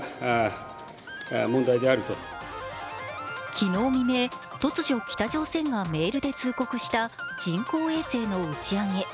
昨日未明、突如、北朝鮮がメールで通告した人工衛星の打ち上げ。